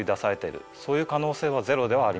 そういう可能性はゼロではありません。